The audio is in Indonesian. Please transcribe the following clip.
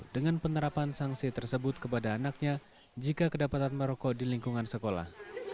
dengan penerapan sanksi tersebut kepada anaknya jika kedapatan merokok di lingkungan sekolah